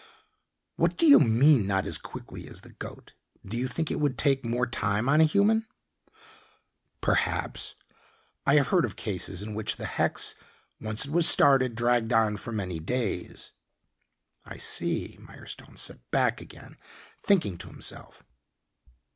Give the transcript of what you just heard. "What do you mean not as quickly as the goat do you think it would take more time on a human?" "Perhaps. I have heard of cases in which the hex, once it was started, dragged on for many days." "I see." Mirestone sat back again thinking to himself.